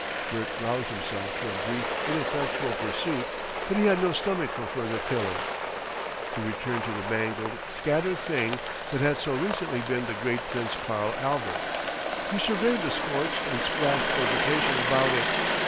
Bert roused himself to a brief ineffectual pursuit, but he had no stomach for further killing. He returned to the mangled, scattered thing that had so recently been the great Prince Karl Albert. He surveyed the scorched and splashed vegetation about it.